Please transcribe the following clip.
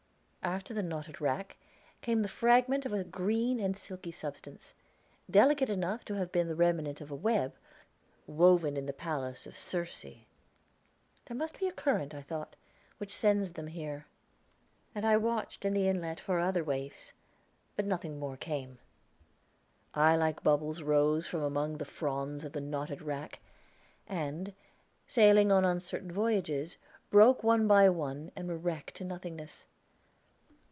After the knotted wrack came the fragment of a green and silky substance, delicate enough to have been the remnant of a web, woven in the palace of Circe. "There must be a current," I thought, "which sends them here." And I watched the inlet for other waifs; but nothing more came. Eye like bubbles rose from among the fronds of the knotted wrack, and, sailing on uncertain voyages, broke one by one and were wrecked to nothingness.